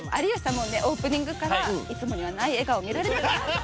もうねオープニングからいつもにはない笑顔見られたなとそうですよね